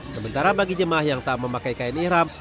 sementara bagi jemaah yang tak memakai kain ihram